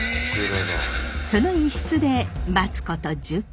その一室で待つこと１０分。